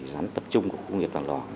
gián tập trung của công nghiệp toàn loàn